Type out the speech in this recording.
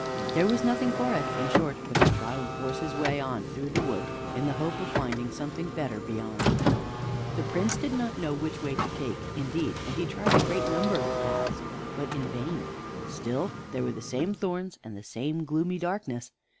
There was nothing for it, in short, but to try and force his way on through the wood, in the hope of finding something better beyond. The Prince did not know which way to take, indeed, and he tried a great number of paths, but in vain. Still there were the same thorns and the same gloomy darkness.